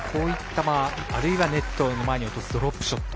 あるいはネットの前に落とすドロップショット